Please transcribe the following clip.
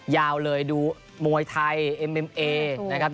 ยาวเลยดูมวยไทย